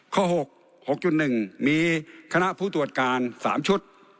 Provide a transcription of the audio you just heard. ข้อหกหกจุดหนึ่งมีคณะผู้ตรวจการสามชุด